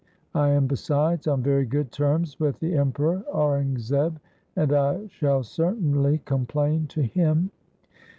I am besides on very good terms with the Emperor Aurangzeb, and I shall certainly complain to him.'